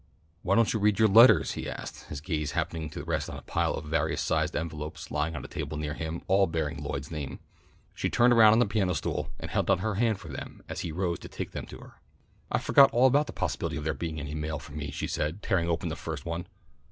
"Why don't you read your letters?" he asked, his gaze happening to rest on a pile of various sized envelopes lying on the table near him, all bearing Lloyd's name. She turned around on the piano stool and held out her hand for them as he rose to take them to her. "I forgot all about the possibility of there being any mail for me," she said, tearing open the first one.